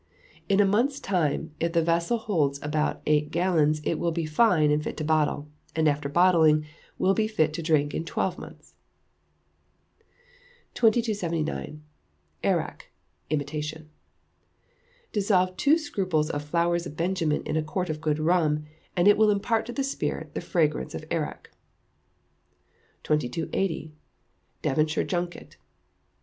In a month's time, if the vessel holds about eight gallons, it will be fine and fit to bottle, and after bottling, will be fit to drink in twelve months. 2279. Arrack (Imitation). Dissolve two scruples of flowers of benjamin in a quart of good rum, and it will impart to the spirit the fragrance of arrack. 2280. Devonshire Junket.